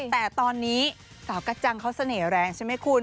แต่ตอนนี้สาวกัจจังเขาเสน่ห์แรงใช่ไหมคุณ